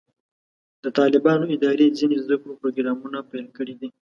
د طالبانو ادارې ځینې زده کړو پروګرامونه پیل کړي دي.